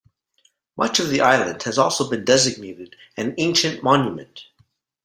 Much of the island has also been designated an ancient monument.